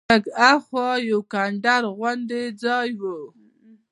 لږ ها خوا یو کنډر غوندې ځای و.